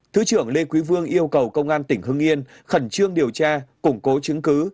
thứ trưởng lê quý vương yêu cầu công an tỉnh hưng yên khẩn trương điều tra củng cố chứng cứ